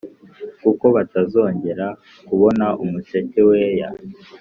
kuko batazongera kubona umuseke weya!